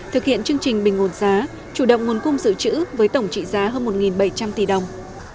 thực hiện chương trình bình ổn giá chủ động nguồn cung dự trữ với tổng trị giá hơn một bảy trăm linh tỷ đồng